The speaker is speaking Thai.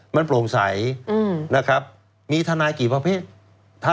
มันโปร่งใสนะครับมีทนายกี่ประเภท